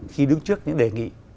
khi đứng trước những đề nghị